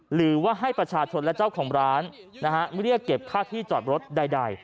หรือว่าให้ประชาชนและเจ้าของร้านเรียกเก็บค่าที่จอดรถใด